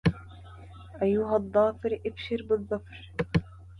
أيها الظافر أبشر بالظفر